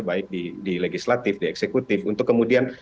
baik di legislatif di eksekutif untuk kemudian